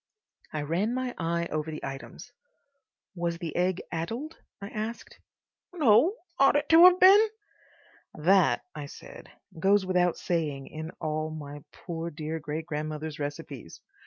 I ran my eye over the items. "Was the egg addled?" I asked. "No. Ought it to have been?" "That," I said, "goes without saying in all my poor dear great grandmother's recipes.